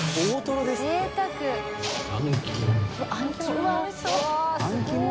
うわっおいしそう。